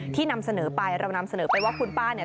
นำเสนอไปเรานำเสนอไปว่าคุณป้าเนี่ย